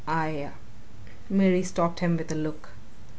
"I " Mary stopped him with a look.